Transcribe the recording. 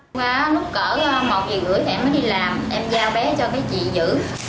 chị nhẫn nói em giao bé cho chị giữ